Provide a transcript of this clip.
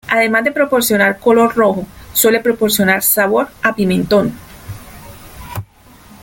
Además de proporcionar color rojo, suele proporcionar sabor a pimentón.